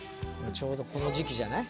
ちょうどこの時期じゃない？